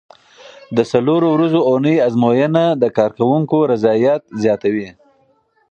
د څلورو ورځو اونۍ ازموینه د کارکوونکو رضایت زیاتوي.